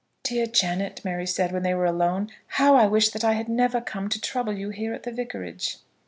"Dear Janet," Mary said, when they were alone, "how I wish that I had never come to trouble you here at the vicarage!"